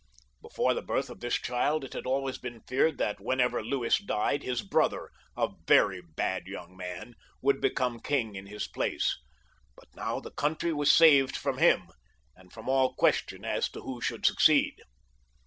Before the birth of this child it had always been feared that whenever Louis died his brother, a very bad young man, would become king in his place ; but now the country was saved from him and from all question as to who should succeed.